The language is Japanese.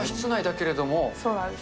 そうなんです。